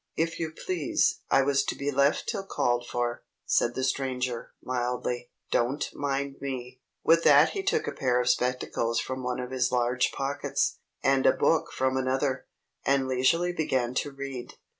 "If you please, I was to be left till called for," said the Stranger, mildly. "Don't mind me." With that he took a pair of spectacles from one of his large pockets, and a book from another, and leisurely began to read.